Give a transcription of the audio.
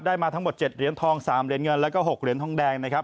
มาทั้งหมด๗เหรียญทอง๓เหรียญเงินแล้วก็๖เหรียญทองแดงนะครับ